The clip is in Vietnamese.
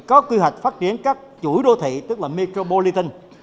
có quy hoạch phát triển các chuỗi đô thị tức là metropolitan